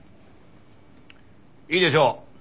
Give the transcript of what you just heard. いいでしょう。